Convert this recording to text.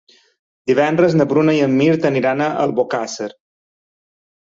Divendres na Bruna i en Mirt aniran a Albocàsser.